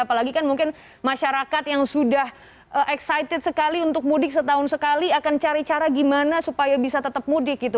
apalagi kan mungkin masyarakat yang sudah excited sekali untuk mudik setahun sekali akan cari cara gimana supaya bisa tetap mudik gitu